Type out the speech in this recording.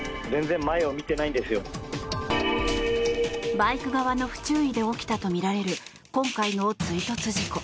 バイク側の不注意で起きたとみられる今回の追突事故。